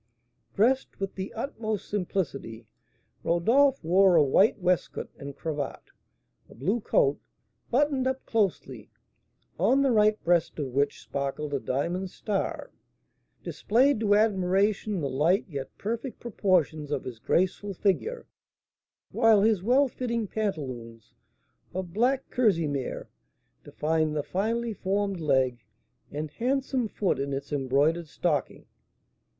Dressed with the utmost simplicity, Rodolph wore a white waistcoat and cravat; a blue coat, buttoned up closely, on the right breast of which sparkled a diamond star, displayed to admiration the light yet perfect proportions of his graceful figure, while his well fitting pantaloons, of black kerseymere, defined the finely formed leg and handsome foot in its embroidered stocking.